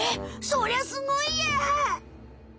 そりゃすごいや。